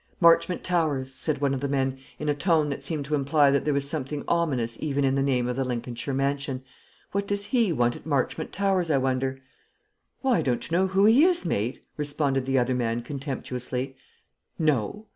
"Marchmont Towers!" said one of the men, in a tone that seemed to imply that there was something ominous even in the name of the Lincolnshire mansion. "What does he want at Marchmont Towers, I wonder?" "Why, don't you know who he is, mate?" responded the other man, contemptuously. "No."